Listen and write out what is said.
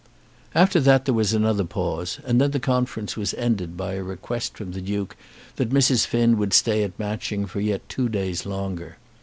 After that there was another pause, and then the conference was ended by a request from the Duke that Mrs. Finn would stay at Matching for yet two days longer.